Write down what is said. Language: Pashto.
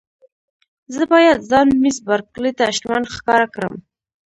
زه باید ځان مېس بارکلي ته شتمن ښکاره کړم.